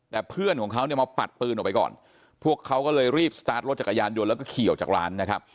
แต่เพื่อนของเขาเนี่ยมาปัดปืนออกไปก่อนพวกเขาก็เลยรีบสตาร์ทรถจักรยานยนต์แล้วก็ขี่ออกจากร้านนะครับ